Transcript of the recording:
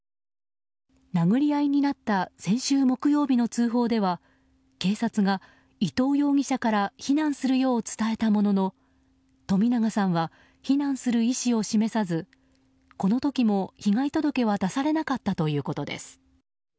殴り合いになった先週木曜日の通報では警察が、伊藤容疑者から避難するよう伝えたものの冨永さんは避難する意思を示さずこの時も、被害届は出されなかったということです。